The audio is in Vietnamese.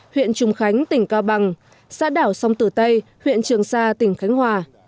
huyện trùng khánh tỉnh cao bằng xã đảo sông tử tây huyện trường sa tỉnh khánh hòa